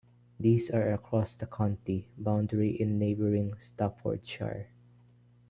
These are across the county boundary in neighbouring Staffordshire.